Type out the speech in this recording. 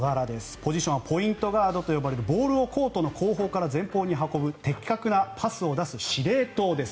ポジションはポイントガードと呼ばれるボールをコートの後方から前方に運ぶ的確なパスを出す司令塔です。